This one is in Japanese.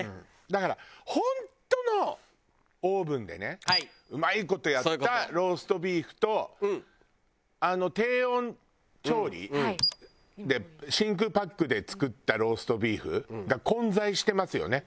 だから本当のオーブンでねうまい事やったローストビーフと低温調理？で真空パックで作ったローストビーフが混在してますよね。